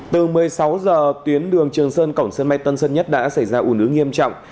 từ một mươi sáu h tuyến đường trường sơn cổng sân bay tân sơn nhất đã xảy ra ủ nứ nghiêm trọng